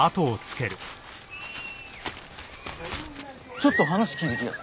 ちょっと話聞いてきやす。